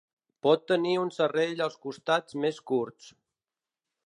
Pot tenir un serrell als costats més curts.